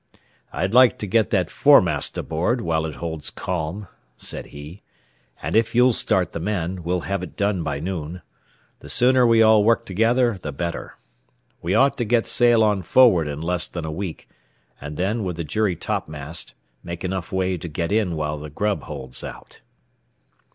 "I'd like to get that foremast aboard while it holds calm," said he; "and if you'll start the men, we'll have it done by noon. The sooner we all work together, the better. We ought to get sail on forward in less than a week, and then, with a jury topmast, make enough way to get in while the grub holds out."